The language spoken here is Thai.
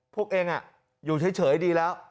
พวกเองอยู่เฉยดีแล้ว